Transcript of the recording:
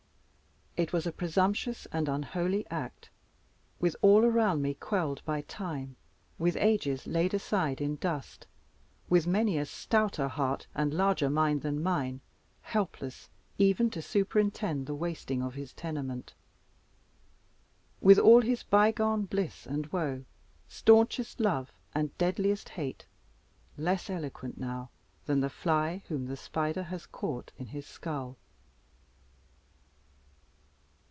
It was a presumptuous and unholy act, with all around me quelled by time, with ages laid aside in dust, with many a stouter heart and larger mind than mine, helpless even to superintend the wasting of his tenement, with all his bygone bliss and woe, stanchest love and deadliest hate, less eloquent now than the fly whom the spider has caught in his skull.